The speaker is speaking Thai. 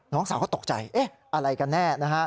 น้องสาวก็ตกใจเอ๊ะอะไรกันแน่นะฮะ